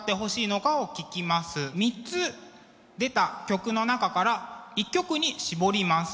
３つ出た曲の中から１曲に絞ります。